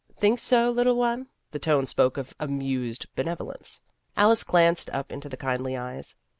" "Think so, little one?" The tone spoke of amused benevolence. Alice glanced up into the kindly eyes.